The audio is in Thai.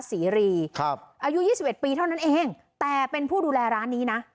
สีรีครับอายุยี่สิบเอ็ดปีเท่านั้นเองแต่เป็นผู้ดูแลร้านนี้นะ